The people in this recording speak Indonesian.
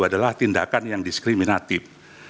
adalah tindakan yang diskriminatif